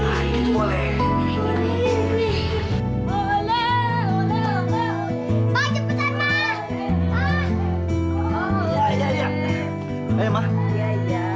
nah kita lagi bangun ya